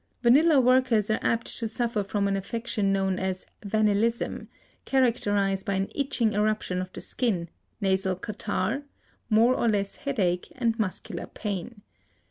Vanilla workers are apt to suffer from an affection known as vanillism, characterized by an itching eruption of the skin, nasal catarrh, more or less headache and muscular pain.